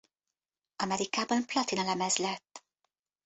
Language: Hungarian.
Amerikában platinalemez lett.